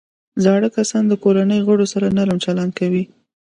زاړه کسان د کورنۍ د غړو سره نرم چلند کوي